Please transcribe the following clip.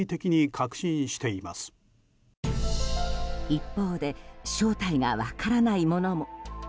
一方で正体が分からないものも。